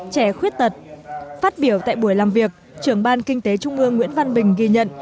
trẻ khuyết tật phát biểu tại buổi làm việc trưởng ban kinh tế trung ương nguyễn văn bình ghi nhận